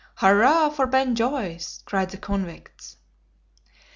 'Hurrah for Ben Joyce!' cried the convicts.